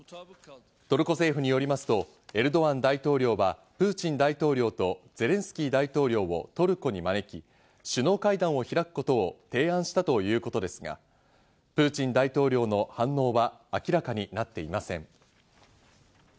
トルコ政府によりますとエルドアン大統領はプーチン大統領とゼレンスキー大統領をトルコに招き、首脳会談を開くことを提案したということですが、プーチン大統領の反応は明らかになっていません。